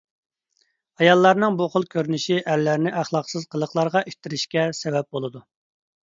ئاياللارنىڭ بۇ خىل كۆرۈنۈشى ئەرلەرنى ئەخلاقسىز قىلىقلارغا ئىتتىرىشكە سەۋەب بولىدۇ.